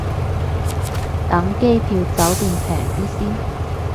等機票酒店平啲先